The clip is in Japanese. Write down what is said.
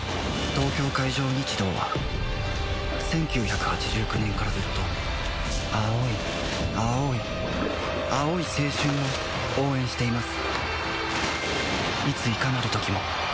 東京海上日動は１９８９年からずっと青い青い青い青春を応援しています